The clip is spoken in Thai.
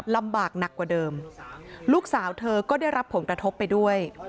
ลำบากหนักกว่าเดิมลูกสาวเธอก็ได้รับผลกระทบไปด้วย